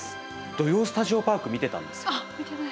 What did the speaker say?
「土曜スタジオパーク」見てたんです。